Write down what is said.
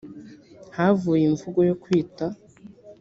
havuye imvugo yo kwita